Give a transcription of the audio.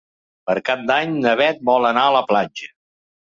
Per Cap d'Any na Beth vol anar a la platja.